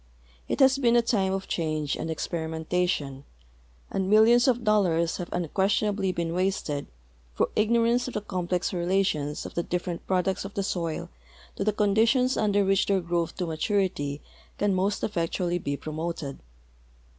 It has been a time of cbange and experimentation, and millions of dol lars have unquestionably been wasted through ignorance of the complex relations of the different products of the soil to the con ditions under which their growth to maturit}'' can most effectu all}^ be promoted.